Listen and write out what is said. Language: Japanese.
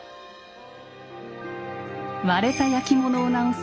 割れた焼き物を直す